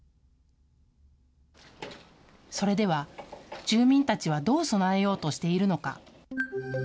それでは、住民たちはどう備えようとしているのか。